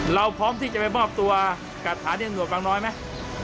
เราพร้อมที่จะไปมอบกับฐานเหงื่อบังน้อยไหม